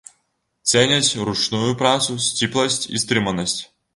Цэняць ручную працу, сціпласць і стрыманасць.